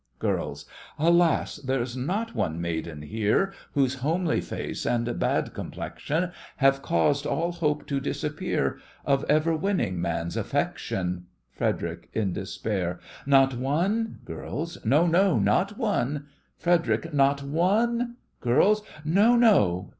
GIRLS: Alas! there's not one maiden here Whose homely face and bad complexion Have caused all hope to disappear Of ever winning man's affection! FREDERIC: (in despair) Not one? GIRLS: No, no— not one! FREDERIC: Not one? GIRLS: No, no!